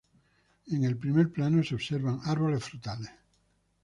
En el primer plano se observan árboles frutales.